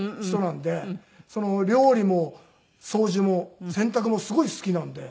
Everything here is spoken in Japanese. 料理も掃除も洗濯もすごい好きなんで。